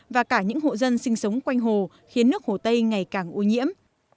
và cả những hộ dân sinh sống quanh hồ khiến nước hồ tây ngày càng ô nhiễm